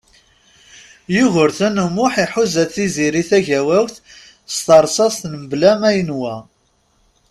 Yugurten U Muḥ iḥuza Tiziri Tagawawt s teṛsast mebla ma yenwa.